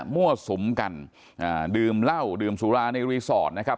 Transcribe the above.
มั่วสุมกันอ่าดื่มเหล้าดื่มสุราในรีสอร์ทนะครับ